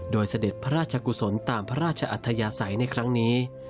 โดยเสด็จพระราชกุศลตามพระราชอัธยาศัยในครั้งนี้